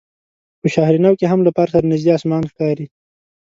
په شهر نو کې هم له پارک سره نژدې اسمان ښکاري.